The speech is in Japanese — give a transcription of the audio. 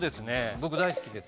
僕大好きです。